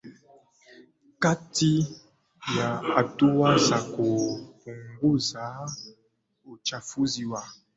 kati ya hatua za kupunguza uchafuzi wa